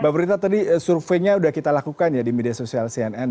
mbak prita tadi surveinya sudah kita lakukan ya di media sosial cnn